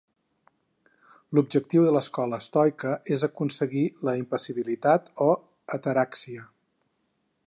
L'objectiu de l'escola estoica és aconseguir la impassibilitat o ataràxia.